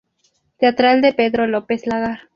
Teatral de Pedro López Lagar.